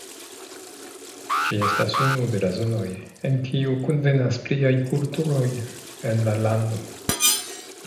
Ĝi estas unu de la zonoj en kiu kunvenas pliaj kulturoj en la lando.